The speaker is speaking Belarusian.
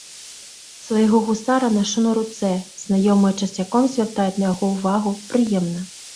Свайго гусара нашу на руцэ, знаёмыя часцяком звяртаюць на яго ўвагу, прыемна!